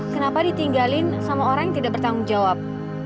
kenapa ditinggalin sama orang yang tidak bertanggung jawab